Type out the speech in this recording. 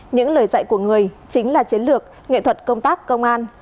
những lời dạy của người chính là chiến lược nghệ thuật công tác công an